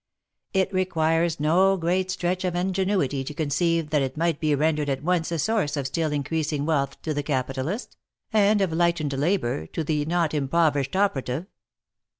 It requires no great stretch of ingenuity to conceive that it might be rendered at once a source of still increasing wealth to the capitalist, and of lightened labour to the not impoverished operative.